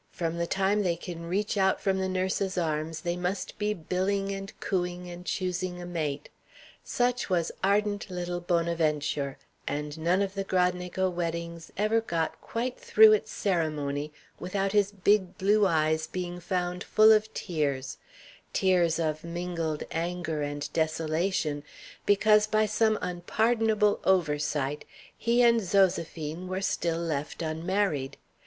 From the time they can reach out from the nurse's arms, they must be billing and cooing and choosing a mate. Such was ardent little Bonaventure; and none of the Gradnego weddings ever got quite through its ceremony without his big blue eyes being found full of tears tears of mingled anger and desolation because by some unpardonable oversight he and Zoséphine were still left unmarried.